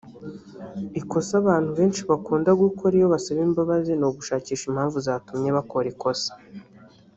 Ikosa abantu benshi bakunda gukora iyo basaba imbabazi ni ugushakisha impamvu zatumye bakora ikosa